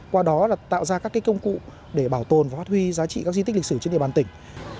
qua đó tạo ra các công cụ để bảo tồn và phát huy giá trị các di tích lịch sử trên địa bàn tỉnh